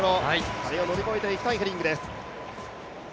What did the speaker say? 壁を乗り越えていきたいヘリングです。